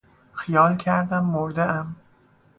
خیال کردم مردهام.